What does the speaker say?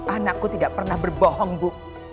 anakku tidak pernah berbohong bu